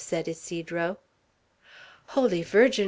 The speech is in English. said Ysidro. "Holy Virgin!"